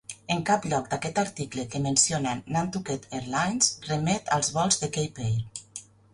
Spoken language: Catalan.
En cap lloc d'aquest article que menciona Nantucket Airlines remet als vols de Cape Air.